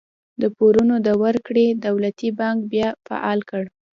د پورونو د ورکړې دولتي بانک بیا فعال کړ.